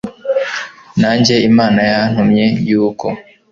nange imana yantumye yuko